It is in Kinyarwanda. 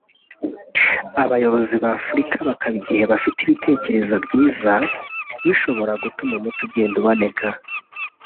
abayobozi ba Afurika bakaba igihe bafite ibitekerezo byiza bishobora gutuma umuti ugenda uboneka